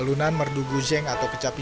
alunan merdu guzeng atau kecapi